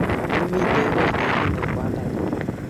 Ak mitei koi'geny - Ine Kwandanyo.